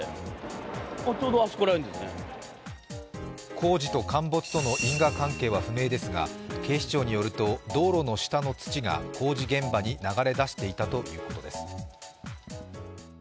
工事と陥没との因果関係は不明ですが警視庁によると道路の下の土が工事現場に流れ出していたということです。